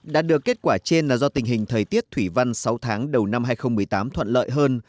đạt được kết quả trên là do tình hình thời tiết thủy văn sáu tháng đầu năm hai nghìn một mươi tám thuận lợi hơn